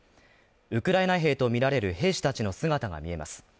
ウクライナ兵とみられる兵士たちの姿が見えます。